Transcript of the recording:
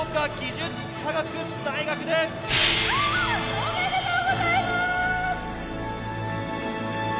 おめでとうございます！